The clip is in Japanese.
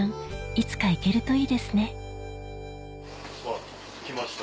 いつか行けるといいですねあっ来ました。